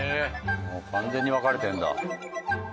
もう完全に分かれてるんだ。